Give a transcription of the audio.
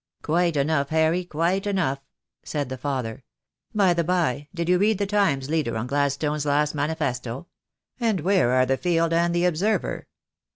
"Quite enough, Harry, quite enough," said the father. "By the by, did you read the Times leader on Gladstone's last manifesto? And where are the Field and the Observer?